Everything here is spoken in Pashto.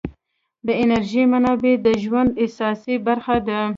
د انرژۍ منابع د ژوند اساسي برخه ده.